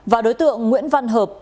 và đối tượng nguyễn văn hợp